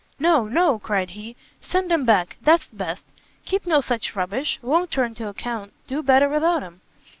"No, no," cried he, "send 'em back, that's best; keep no such rubbish, won't turn to account; do better without 'em."